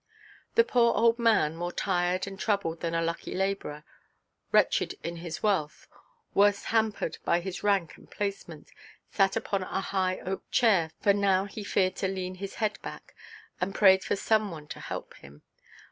The poor old man, more tried and troubled than a lucky labourer, wretched in his wealth, worse hampered by his rank and placement, sat upon a high oak chair—for now he feared to lean his head back—and prayed for some one to help him.